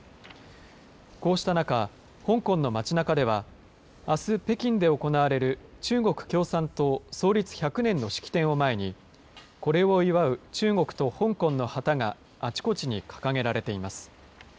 こうした中、香港の街なかではあす北京で行われる、中国共産党創立１００年の式典を前に、これを祝う中国と香港の旗が、あちこちに掲げられています。